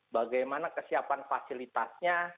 bagaimana kesiapan fasilitasnya